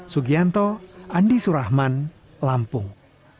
sugianto andi surahman lampung